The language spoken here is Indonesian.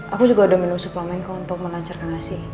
aku juga ada menu suplemen kok untuk melancarkan asin